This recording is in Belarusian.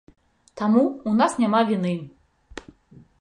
Таму, у нас няма віны.